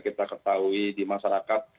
kita ketahui di masyarakat